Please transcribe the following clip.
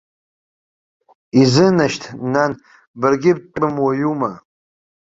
Изынашьҭ, нан, баргьы бтәымуаҩума?